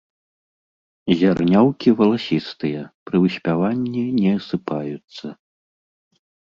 Зярняўкі валасістыя, пры выспяванні не асыпаюцца.